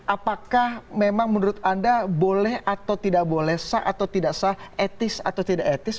apakah memang menurut anda boleh atau tidak boleh sah atau tidak sah etis atau tidak etis